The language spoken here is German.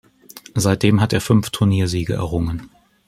Seitdem hat er fünf Turniersiege errungen.